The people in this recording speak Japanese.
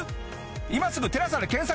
今すぐ「テラサ」で検索。